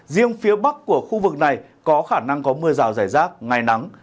riêng phía bắc của khu vực này có khả năng có mưa rào rải rác ngày nắng